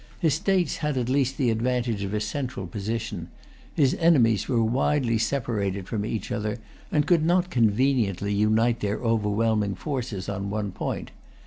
His states had at least the advantage of a central position; his enemies were widely separated from each other, and could not conveniently unite their overwhelming forces on one point.